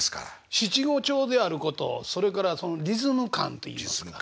七五調であることそれからそのリズム感といいますか。